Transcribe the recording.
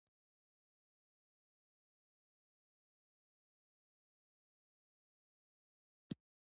ښه لیکوال هغه دی چې عام خلک وپوهوي.